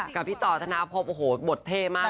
กับพี่ต่อธนภพโอ้โหบทเท่มาก